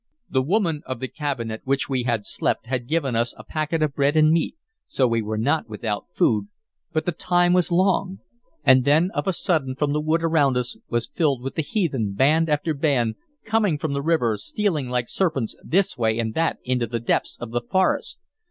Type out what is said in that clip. The woman of the cabin at which we had slept had given us a packet of bread and meat, so we were not without food, but the time was long. And then of a sudden the wood around us was filled with the heathen, band after band, coming from the river, stealing like serpents this way and that into the depths of the forest.